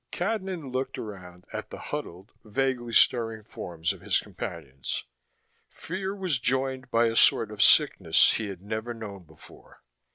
Cadnan looked around at the huddled, vaguely stirring forms of his companions. Fear was joined by a sort of sickness he had never known before.